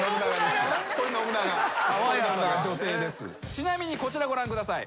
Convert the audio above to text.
ちなみにこちらご覧ください。